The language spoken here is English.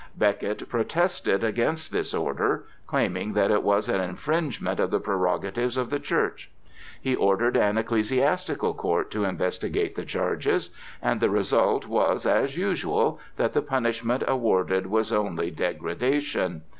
Becket protested against this order, claiming that it was an infringement of the prerogatives of the Church. He ordered an ecclesiastical court to investigate the charges, and the result was as usual, that the punishment awarded was only degradation.